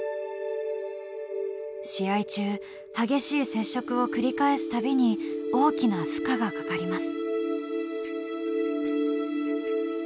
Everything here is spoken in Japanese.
試合中激しい接触を繰り返す度に大きな負荷がかかります。